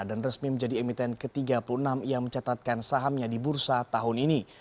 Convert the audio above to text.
dan resmi menjadi emiten ke tiga puluh enam yang mencatatkan sahamnya di bursa tahun ini